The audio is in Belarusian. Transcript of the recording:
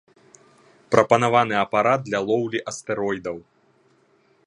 Прапанаваны апарат для лоўлі астэроідаў.